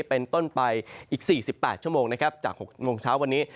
เป็นต้นไปอีก๔๘ชั่วโมงนะครับจาก๖โมงเช้าวันนี้